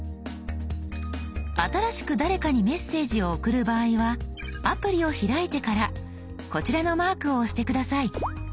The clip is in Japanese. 新しく誰かにメッセージを送る場合はアプリを開いてからこちらのマークを押して下さい。